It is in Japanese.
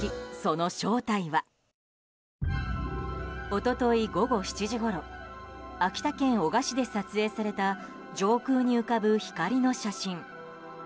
一昨日午後７時ごろ秋田県男鹿市で撮影された上空に浮かぶ光の写真。